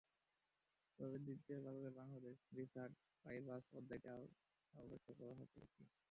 তবে দিতে পারলে বাংলাদেশে রিচার্ড পাইবাস অধ্যায়টা আরও পরিষ্কার হতো বৈকি।